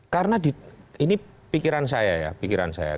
karena di ini pikiran saya ya pikiran saya